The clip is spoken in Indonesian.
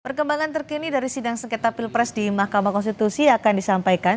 perkembangan terkini dari sidang sengketa pilpres di mahkamah konstitusi akan disampaikan